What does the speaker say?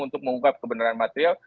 untuk mengungkap kebenaran material